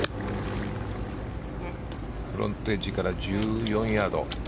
フロントエッジから１４ヤード。